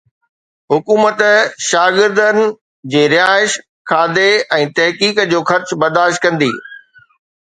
حڪومت شاگردن جي رهائش، کاڌي ۽ تحقيق جو خرچ برداشت ڪندي